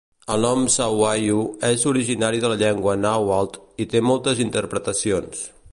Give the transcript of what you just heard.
El nom Sahuayo és originari de la llengua nàhuatl i té moltes interpretacions.